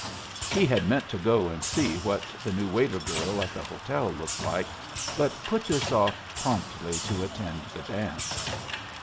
He had meant to go and see what the new waiter girl at the hotel looked like, but put this off promptly to attend the dance.